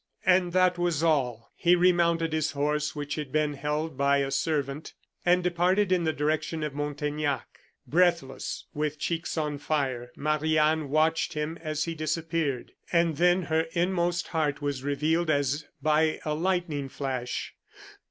And that was all. He remounted his horse which had been held by a servant, and departed in the direction of Montaignac. Breathless, with cheeks on fire, Marie Anne watched him as he disappeared; and then her inmost heart was revealed as by a lightning flash.